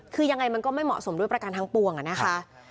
คือยังไงมันก็ไม่เหมาะสมด้วยประกันทั้งปวงอะนะคะ